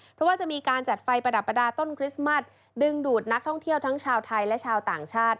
เพราะว่าจะมีการจัดไฟประดับประดาษต้นคริสต์มัสดึงดูดนักท่องเที่ยวทั้งชาวไทยและชาวต่างชาติ